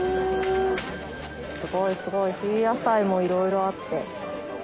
すごいすごい冬野菜もいろいろあって。